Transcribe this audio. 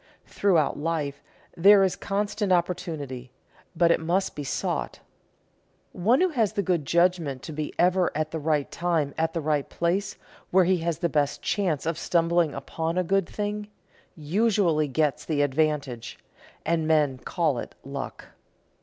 Throughout life there is constant opportunity, but it must be sought. One who has the good judgment to be ever at the right time at the place where he has the best chance of stumbling upon a good thing, usually gets the advantage, and men call it luck.